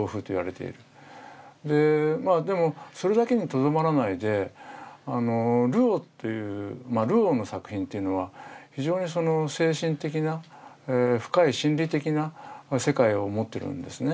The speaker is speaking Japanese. まあでもそれだけにとどまらないでルオーっていうまあルオーの作品というのは非常にその精神的な深い心理的な世界を持ってるんですね。